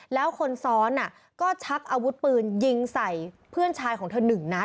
แล้วคนซ้อนก็ชักอาวุธปืนยิงใส่เพื่อนชายของเธอหนึ่งนัด